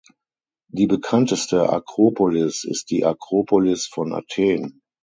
Die bekannteste Akropolis ist die Akropolis von Athen.